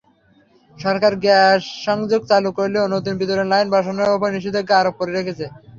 সরকার গ্যাসসংযোগ চালু করলেও নতুন বিতরণ লাইন বসানোর ওপর নিষেধাজ্ঞা আরোপ করে রেখেছে।